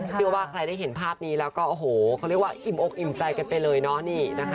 เชื่อว่าใครได้เห็นภาพนี้แล้วก็โอ้โหเขาเรียกว่าอิ่มอกอิ่มใจกันไปเลยเนาะนี่นะคะ